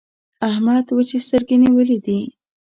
احمد وچې سترګې نيولې دي.